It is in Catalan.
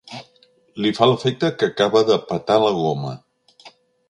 Li fa l'efecte que acaba de petar la goma.